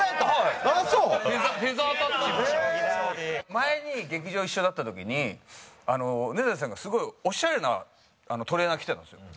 前に劇場一緒だった時に根建さんがすごいオシャレなトレーナー着てたんですよ。